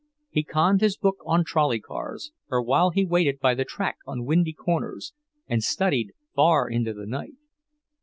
He conned his book on trolley cars, or while he waited by the track on windy corners, and studied far into the night.